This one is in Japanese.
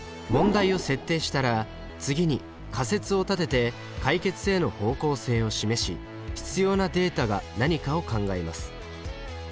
問題を設定したら次に仮説を立てて解決への方向性を示し必要なデータが何かを考えます。